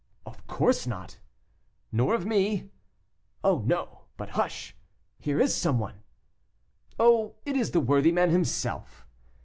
"Of course not." "Nor of me." "Oh, no! But hush! here is some one." "Oh, it is the worthy man himself!"